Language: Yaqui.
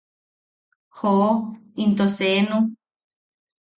¡Joo, into seenu!